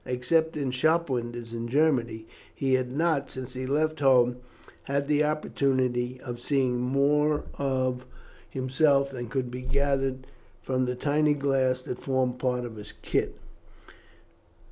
Except in shop windows in Germany, he had not, since he left home, had the opportunity of seeing more of himself than could be gathered from the tiny glass that formed part of his kit.